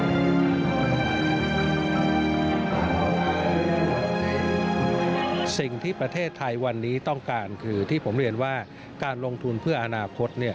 สิ่งที่ประเทศไทยวันนี้ต้องการคือที่ผมเรียนว่าการลงทุนเพื่ออนาคต